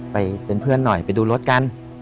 ไปเป็นเพื่อนหน่อยไปดูรถกัน